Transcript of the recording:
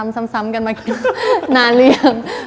แล้วพี่เราซ้ำกันมากี่นานหรือยัง